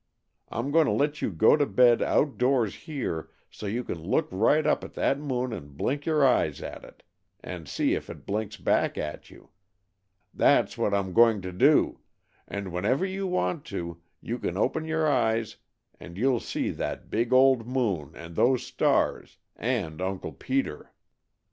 I'm going to let you go to bed outdoors here, so you can look right up at that moon and blink your eyes at it, and see if it blinks back at you. That's what I'm going to do; and whenever you want to, you can open your eyes and you'll see that big old moon, and those stars, and Uncle Peter."